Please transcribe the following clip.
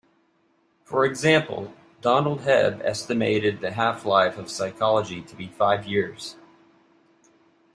For example, Donald Hebb estimated the half-life of psychology to be five years.